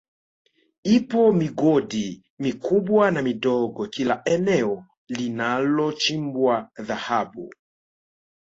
Ipo migodi mikubwa na midogo kila eneo linalochimbwa Dhahabu